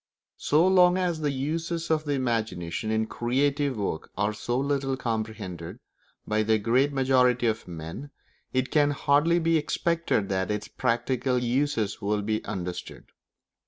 So long as the uses of the imagination in creative work are so little comprehended by the great majority of men, it can hardly be expected that its practical uses will be understood.